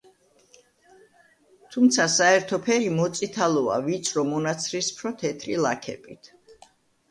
თუმცა საერთო ფერი მოწითალოა, ვიწრო მონაცრისფრო-თეთრი ლაქებით.